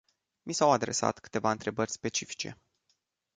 Mi s-au adresat câteva întrebări specifice.